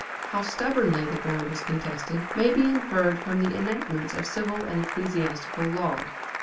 How stubbornly the ground was contested may be inferred from the enactments of civil and ecclesiastical law.